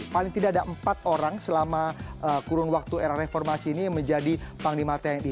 paling tidak ada empat orang selama kurun waktu era reformasi ini menjadi panglima tni